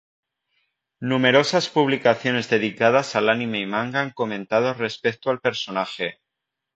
Numerosas publicaciones dedicadas al anime y manga han comentado respecto al personaje.